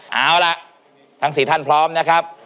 เอาล่ะทั้ง๔ท่านพร้อมนะครับ